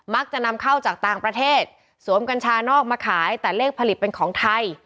จะนำเข้าจากต่างประเทศสวมกัญชานอกมาขายแต่เลขผลิตเป็นของไทย